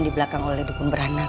di belakang oleh dukun beranak